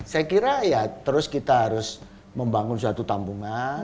saya kira ya terus kita harus membangun suatu tambungan